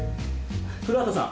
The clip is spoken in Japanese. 古畑さん！